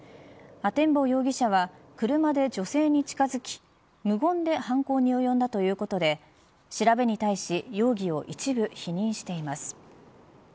阿天坊容疑者は車で女性に近づき無言で犯行に及んだということで調べに対し容疑を一部否認しています。